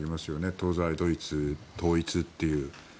東西ドイツ統一という。